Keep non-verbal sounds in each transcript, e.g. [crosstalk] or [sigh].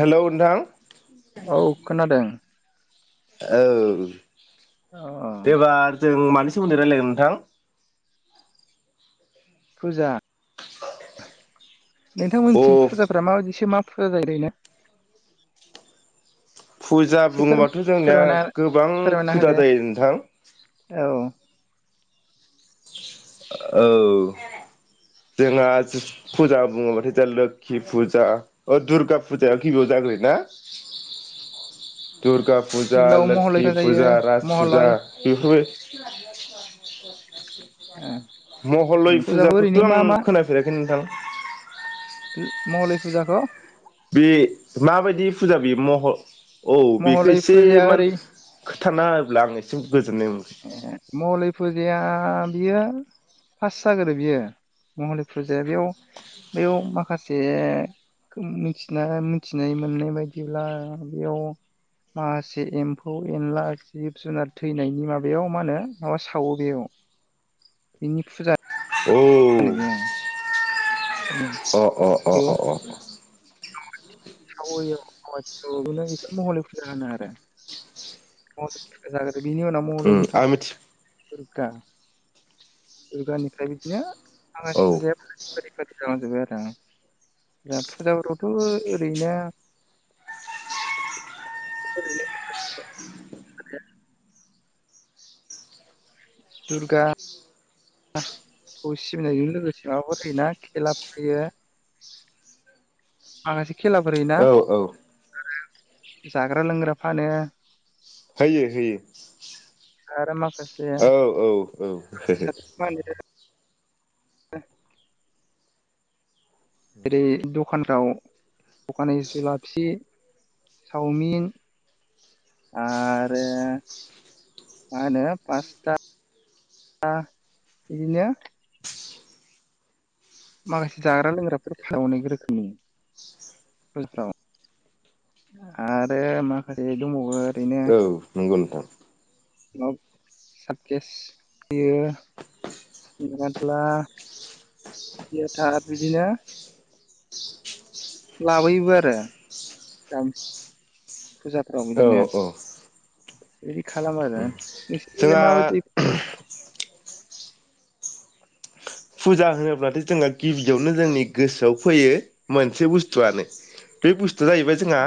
Hello नोंथां औ खोनादों औ औ एबार जों मानि सोमोन्दै रायलायगोन नोंथां? फुजा अ नोंथांमोननिथिं फुजाफ्रा माबायदिसो मा [inaudible] फुजा एसे फोर बुङोबाथ' जोंनिया फोरमायना गोबां फोरमायना फुजा होदो जायो नोंथां औ औ जोंहा फुजा बुङोबाथाय [unintelligible] लोखि फुजा ओ दुर्गा फुजाया गिबियाव जाग्रोयोना? दुर्गा फुजा, गिबियाव महलय लोक्खि फुजा, जायो रास फुजा महलय बेफोर [inaudible] महलय फुजाखौ फुजाखोथ' ओरैनो आं मा मा खोनाफेराखै नोंथां महलय फुजाखौ बे माबायदि फुजा बेयो मह औ बेखौ महलय एसे फुजाया मान थाना होब्ला आं एसे गोजोननाय ए महलय फुजाया बियो फास जागोरो बियो महलय फुजाया बेयाव बैयाव माखासे खोम मिथिना मिथिनाय मोननाय बायदिब्ला बेयाव माखासे एम्फौ एनला, जिब जुनार थैनायनि मा बेयाव मा होनो माबा सावो बेयाव बिनि फुजा होनो औ बे बेयाव अ अ अ अ अ [inaudible] बेखौनो महलय फुजा होनो आरो महलय फुजा [unintelligible] बिनि उनाव महलय उम [inaudible] आं मिथि दुर्गा दुर्गानिफ्राय बिदिनो औ [unintelligible] फुजाया फारि फारि फारि जालांजोबो आरो बिराद फुजाफोर दं थ ओरैनो [inaudible] दुर्गा गा खौ सिबिनायजों लोगोसे माबाफोर होयोना खेलाबो होयो। आंहासो खेलाफोर होयोना औ औ जाग्रा लोंग्रा फानो होयो होयो। आरो मा औ औ औ [inaudible] आरै दख खानफ्राव दखानै जुलाफि सावमिन आरो मा होनो पास्ता इदिनो माखासे जाग्रा लोंग्राफोर [inaudible] अनेक रोखोमनि फुजाफ्राव आरो माखासे दंबावो औ नंगौ नोंथां। माब सारकेस होयो [unintelligible] सियथा बिदिनो लाबोयोबो आरो [inaudible] फुजाफ्राव औ बिदिनो औ एदि खालामो आरो नोंसिनिखैलाय जोंहा माबायदि फुजा होनोब्लाथाय जोंङो गिबियावनो जोंनि गोसोआव फैयो मोनसे बुस्थुआनो बे बुस थुआ जाहैबाय जोंहा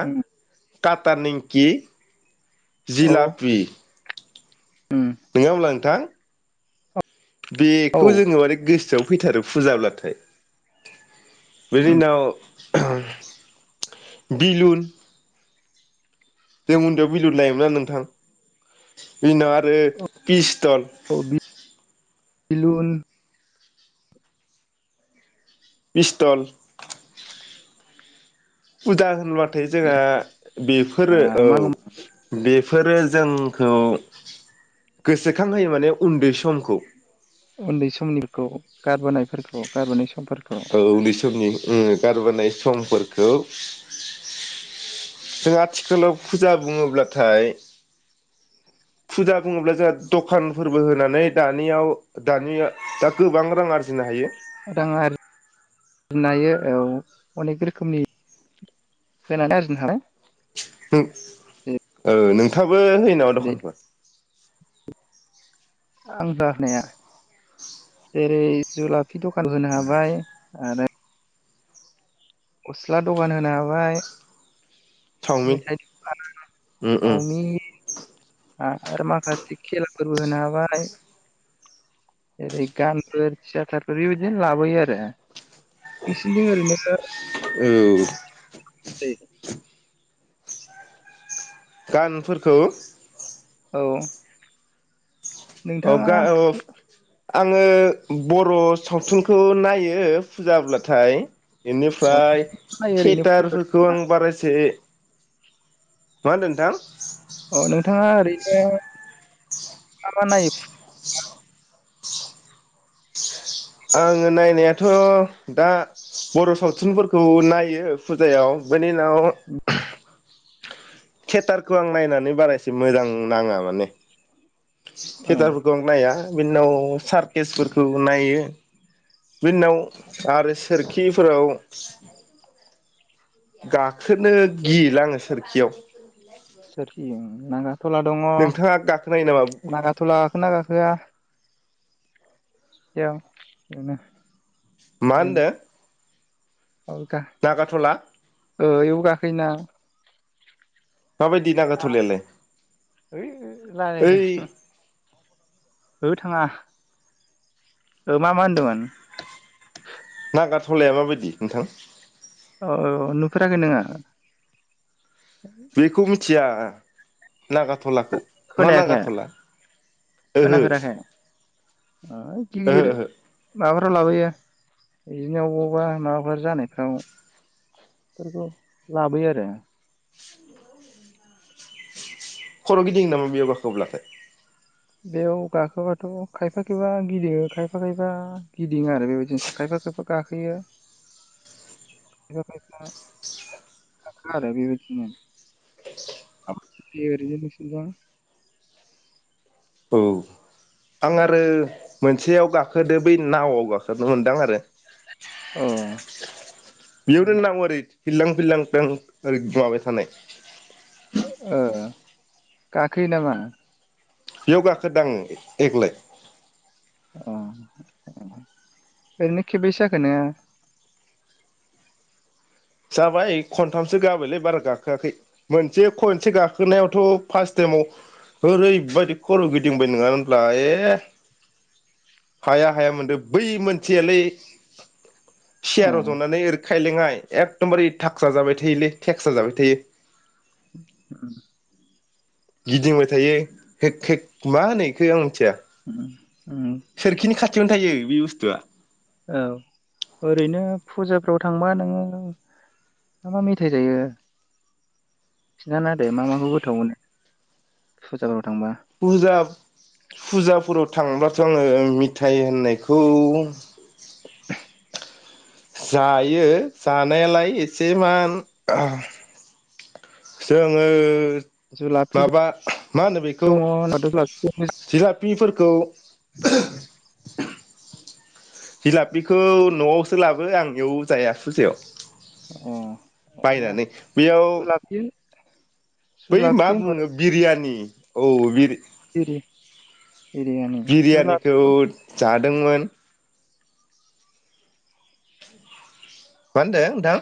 काता निमकि औ जिलापि नङा होमब्ला नोंथां औ बेखौ जोङो माने गोस सोआव फैथारो फुजाब्लाथाय बिनि उनाव बिलुन जों उन्दैयाव बिलुन लायोमोन ना नोंथां। बेनि उनाव आरो फिस थल औ बिलुन पिस्टल फुजा होनब्ला थाय जोंहा बेफोरो औ मा बे। बेफोरो जोंखौ गोसोखां होयो माने उन्दै समखौ। उन्दै समनिखौ गारबोनायफोरखौ गारबोनाय सम। औ उन्दै समनि। ओं गारबोनाय समफोरखौ जों आथिखालाव फुजा बुङोब्लाथाय। फुजा बुङोब्ला जोंहा दखानफोरबो होनानै दानियाव दानि दा गोबां रां आरजिनो हायो। [inaudible] आरजिनो हायो औ अनेक रोखोमनि होनानै आरजिनो हानाय। औ नोंथां। बो होयो नामा दखानफोर। आं दा होनाया जेरै जुला। दखान होनो हाबाय। आरो। गस्ला दखान होनो हाबाय। चावमिन मेथाय दखान होनो उम उम चावमिन। आ आरो मााखासे खेला। फोरबो होनो हाबाय जेरै गानफोर थियाटारफोर यबादिनो लाबोयो आरो। बिसिनि ओरैनो। औ दैै। गानफोरखौ। औ। अ नोंथाङा। गा आङो बर सावथुनखौ नायो फुजाब्लाथाय। अ बेनिफ्राय नायो ओरैनो थियेटारफोरखौ आं बारा एसे। मा होनदो नोंथां। अ नोंथाङा ओरैनो मा मा नायो [unintelligible] आङो नायनाया थ दा बर सावथुनफोरखौ नायो फुजायाव बे [unintelligible] थियाटारखौ आं नायनानै बारा एसे मोजां नाङा माने। अ टियाटारफोरखौ आं नाया बिनि उनाव सार्केसफोरखौ नायो बिनि उनाव आरो सोरखिफोराव गाखोनो गियोलाङो सोरखियाव। नाङा। थला दङ नोंथाङा गाखोनायो नामा नागा थला गाखो ना गाखोआ। [unintelligible] याव बिनो। मा होनदो [unintelligible] फ्रा खैना माबायदि नागाथलायालाय ओइ रायलायदों ओइ ओ थाङा ओ मा मा होनदोंमोन नागाथलाया माबायदि नोंथां? औ औ ओ नुफेराखै नोङो? बेखौ मिथिया नागाथलाखौ मा खोनायाखै नागाथला ओ हो खोनाफेराखै ओ गिलिर माबाफोराव लाबोयो इदिनो अबावबा माबाफोर जानायफ्राव इफोरखौ लाबोयो आरो खर गिदिङो नामा बेयाव गाखोब्लाथाय बेयाव गाखोब्लाथ खायफा खायफा गिदिङो खायफा खायफा गिदिङाआरो बेबायदिनोसै खायफा खायफा गाखोयो खायफा खायफा गाखोआ आरो बेबायदिनो [unintelligible] औ आं आरो मोनसेयाव गाखोदो बै नावआव गाखोनो मोनदां आरो अ [inaudible] बिहरदों होन्ना ओरै फिल्लां फिल्लां दं ओरै माबाय थानाय ओ गाखोयो नामा? बेयाव गाखोदां देग्लाय अ ओरैनो खेबैसो जाखो नोङो? जाबाय खनथामसो गाबायलै बारा गाखोआखै मोनसे खनसे गाखोनायावथ फार्स्ट टाइमाव ओरैबायदि खर गिदिंबाय नङा होनब्ला ए हाया हाया मोनदों बै मोनसेयालै सियार अ जनानै एरोखो खाइलेङाइ एखदमबारे थागसा जाबाय थायोलै थेक्सा जाबाय थायो [unintelligible] गिदिंबाय थायो हेक हेक मा होनो एखो आं मिथिया [unintelligible] सोरखिनि खा थियावनो थायो बे बुस्थुआ औ ओरैनो फुजाफ्राव थांबा नोङो मा मा मेथाइ जायो खिन्थाना दे मा मा खौ गोथाव मोनो फुजाफोराव थांबा फुजा फुजाफोराव थांबाथ आङो मिथाइ होननायखौ जायो जानायालाय एसे मान जोंङो जुलाफि माबा मा होनो बेखौ दङ होनबाथ' जुलाफि जिलाफिफोरखौ [unintelligible] जिलापिखौ नआवसो लाबो आं‌ एयाव जाया फुजायाव अ बायनानै बेयाव जुलाफि बै जुलाफि मा बुङो बिरियानि औ बिर दिरि बिरियानिखौ जादोंमोन मा होनदों नोंथां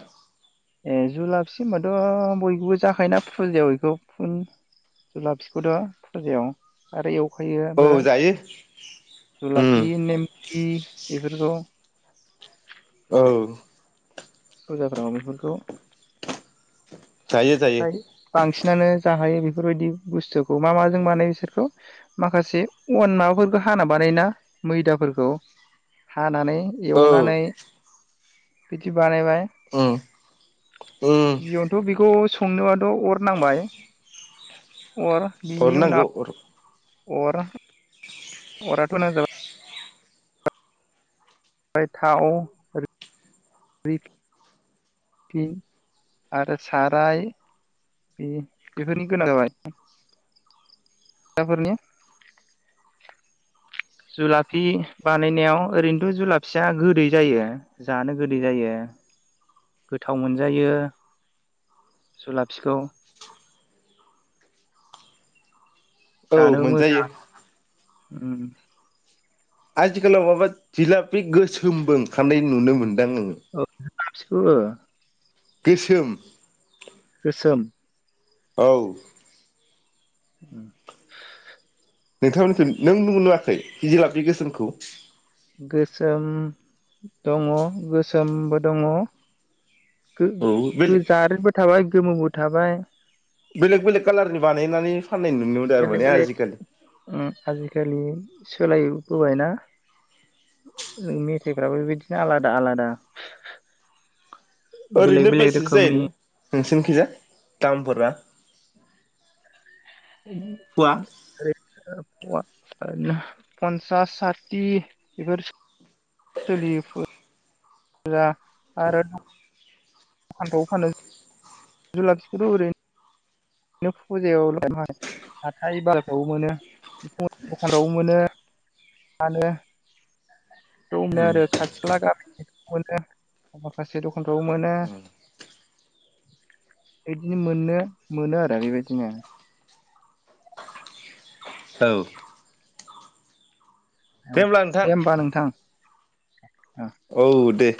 ए जुलाफि होनोमबाथ बयखौबो जाखायोना फुजायाव एखौ फुन जुलाफिखौथ फुजायाव आरो एव होयो औ हो जायो उम जुलाफि मेम इ बेफोरखौ औ फुजाफ्राव बेफोरखौ जायो जायो फ्राय बांसिनानो जाहायो बे बेफोरबायदि बुस्थुखौ मा माजों बानायो बिसोरखौ माखासे अन माबाफोरखौ हाना बानायोना मैदाफोरखौ हानानै औ एवनानै फिथि बानायबाय उम उम बियावथ' बेखौ उननोबाद थ अर नांबाय अर बिनि हरनांगौ उनाव अरा अराथ' न जाब ओमफ्राय थाव [unintelligible] आरो साराय बे बेफोरनि गोनां जाबाय फिथाफोरनि जुलाफि बानायनायाव ओरैनोथ' जुलाफिया गोदै जायो जानो गोदै जायो गोथाव मोनजायो जुलाफिखौ औ मोनजायो ओम आथिखालाव माबा जिलाफि गोसोमबो ओंखानाय नुनो मोन [unintelligible] थाबसाखौबो गोसोम गोसोम औ उ नोंथांमोनखौ नों नुवाखै जिलाफि गोसोमखौ? गोसोम दङ गोसोमबो दङ औ बेलेग गो-गोजारबो थाबाय गोमोबो थाबाय बेलेग बेलेग कालारनि बानायनानै फाननाय नुनोदोंरो बेलेग माने बेलेग आजिखालि होबायना मेथाइफ्राबो बेबायदिनो आलादा आलादा बेलेग ओरैनो बेलेग बेसेसो रोखोमनि जायोनो? नोंसोरनिखिजा दामफोरा। फुवा [unintelligible] पसानो पन्सास साथि बेफोर सोलियो जा आरो दखानफ्रावबो फानो जुलाफसिखौथ' ओरै नो फुजायाव म हाथाय बारफ्रावबो मोनो दखानफ्रावबो मोनो फानो औ दंनाय आरो दे खाथिला गाम अने आखासेर' फनखौ मोनो। बिदिनो मोननो मोनो आरो बेबायदिनो । औ। औ नोंथां दे होमबा नोंथां। औ दे।